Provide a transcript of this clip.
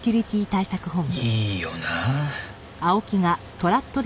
いいよなあ。